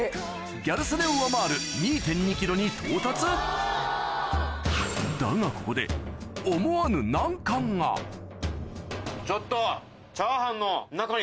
ギャル曽根を上回る２．２ｋｇに到達だがここでちょっと！